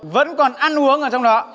vẫn còn ăn uống ở trong đó